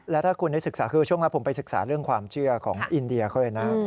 แล้วถ้าคุณได้ศึกษาคือช่วงนั้นผมไปศึกษาเรื่องความเชื่อของอินเดียเขาเลยนะ